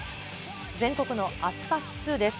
全国の暑さ指数です。